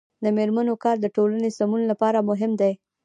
د میرمنو کار د ټولنې سمون لپاره مهم دی.